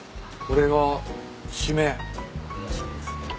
これが締めです。